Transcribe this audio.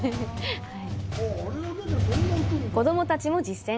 子供たちも実践！